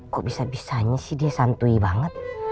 kok bisa bisanya sih dia santuy banget